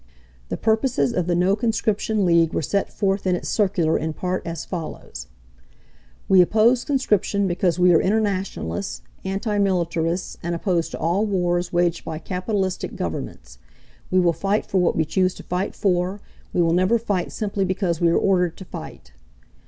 The purposes of the No conscription League were set forth in its circular in part as follows: "We oppose conscription because we are internationalists, anti militarists, and opposed to all wars waged by capitalistic Governments. We will fight for what we choose to fight for, we will never fight simply because we are ordered to fight.